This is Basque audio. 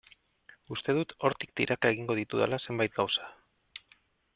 Uste dut hortik tiraka egingo ditudala zenbait gauza.